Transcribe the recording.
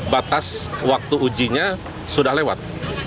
batas waktu ujinya sudah lewat